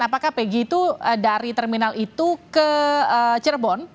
apakah peggy itu dari terminal itu ke cirebon